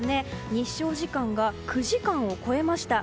日照時間が９時間を超えました。